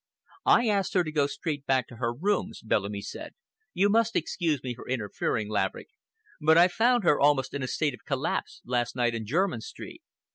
"I asked her to go straight back to her rooms," Bellamy said. "You must excuse me for interfering, Laverick, but I found her almost in a state of collapse last night in Jermyn Street.